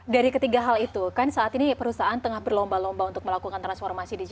dari ketiga hal itu kan saat ini perusahaan tengah berlomba lomba untuk melakukan transformasi digital